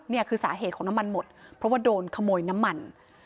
นี่คือสาเหตุของน้ำมันหมดเพราะว่าโดนขโมยน้ำมัน